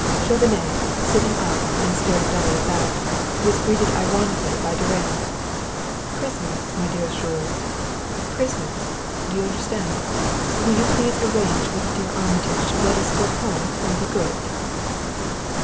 Chauvenet, sitting up and staring dully about, was greeted ironically by Durand: "Prisoners, my dearest Jules; prisoners, do you understand? Will you please arrange with dear Armitage to let us go home and be good?"